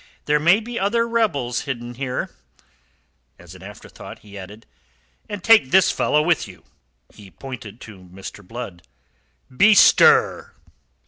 There may be other rebels hidden here." As an afterthought, he added: "And take this fellow with you." He pointed to Mr. Blood. "Bestir!"